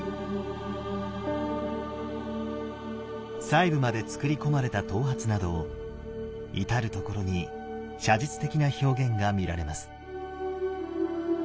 細部まで作り込まれた頭髪など至る所に写実的な表現が見られます。